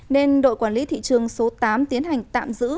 nên đội quản lý thị trường số tám tiến hành tạm giữ